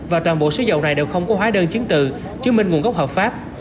và toàn bộ số dầu này đều không có hóa đơn chiến tử chứa minh nguồn gốc hợp pháp